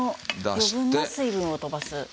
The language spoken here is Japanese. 余分な水分を飛ばす。